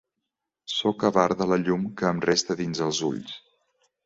Sóc avar de la llum que em resta dins els ulls.